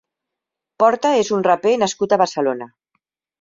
Porta és un raper nascut a Barcelona.